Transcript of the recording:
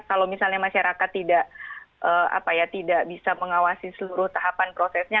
kalau misalnya masyarakat tidak bisa mengawasi seluruh tahapan prosesnya